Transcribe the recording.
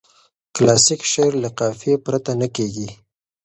کلاسیک شعر له قافیه پرته نه کیږي.